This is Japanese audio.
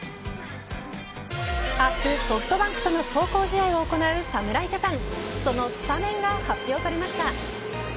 明日、ソフトバンクとの壮行試合を行う侍ジャパンそのスタメンが発表されました。